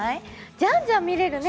じゃんじゃん見れるね。